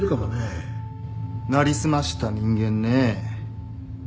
成り済ました人間ねえ。